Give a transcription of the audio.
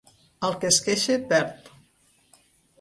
El que es queixa perd.